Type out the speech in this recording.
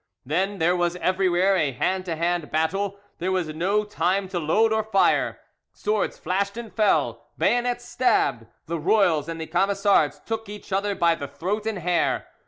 Then there was everywhere a hand to hand battle there was no time to load and fire; swords flashed and fell, bayonets stabbed, the royals and the Camisards took each other by the throat and hair.